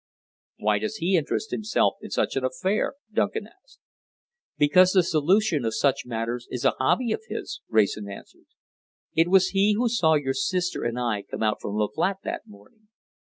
"Why does he interest himself in such an affair?" Duncan asked. "Because the solution of such matters is a hobby of his," Wrayson answered. "It was he who saw your sister and I come out from the flat that morning.